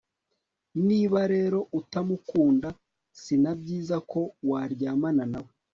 niba rero utamukunda si na byiza ko waryamana na we